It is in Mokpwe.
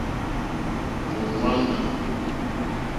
Tɔ̀ ŋmánà.